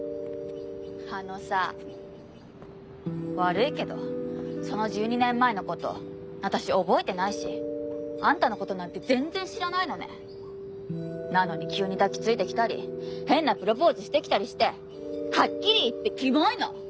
あのさ悪いけどその１２年前のことあたし覚えてないしあんたのことなんて全然知らないのねなのに急に抱きついてきたり変なプロポーズしてきたりしてはっきり言ってきもいの！